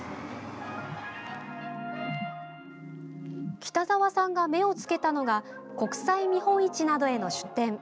北澤さんが目を付けたのが国際見本市などへの出展。